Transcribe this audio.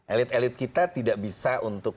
elit elit kita tidak bisa untuk